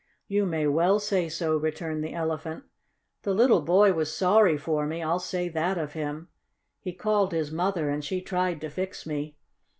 "You may well say so," returned the Elephant. "The little boy was sorry for me, I'll say that of him. He called his mother and she tried to fix me.